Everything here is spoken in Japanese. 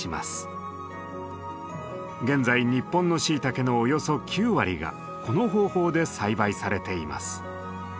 現在日本のシイタケのおよそ９割がこの方法で栽培されています。